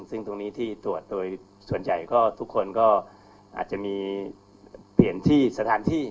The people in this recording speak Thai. ซึ่งตรวจโดยส่วนใหญ่ทุกคนก็อาจจะเปลี่ยนสถานที่